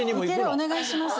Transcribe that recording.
お願いします。